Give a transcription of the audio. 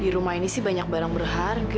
di rumah ini sih banyak barang berharga